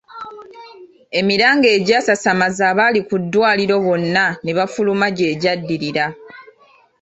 Emiranga egyasasamaza abaali ku ddwaliro bonna ne bafuluma gye gyaddirira.